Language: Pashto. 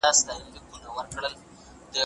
ځینې متخصصان وايي، نوی رنګ "د تفسیر وړ" دی.